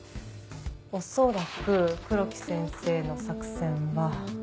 恐らく黒木先生の作戦は。